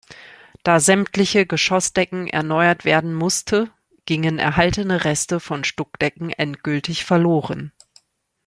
Da sämtliche Geschossdecken erneuert werden musste, gingen erhaltene Reste von Stuckdecken endgültig verloren.